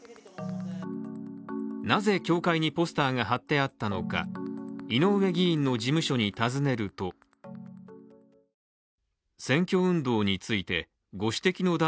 なぜ教会にポスターが貼ってあったのか井上議員の事務所に尋ねるとなどと回答。